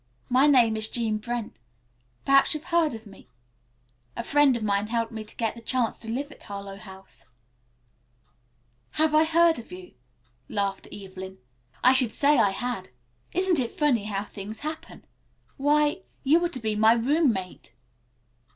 My name is Jean Brent. Perhaps you've heard of me. A friend of mine helped me to get the chance to live at Harlowe House." "Have I heard of you?" laughed Evelyn. "I should say I had. Isn't it funny how things happen? Why, you are to be my roommate."